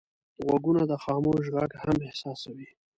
غوږونه د خاموش غږ هم احساسوي